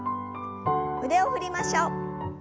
腕を振りましょう。